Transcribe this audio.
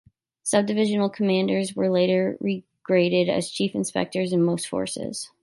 Sub-divisional commanders were later regraded as Chief Inspectors in most forces.